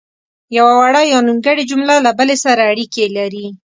یوه وړه یا نیمګړې جمله له بلې سره اړیکې لري.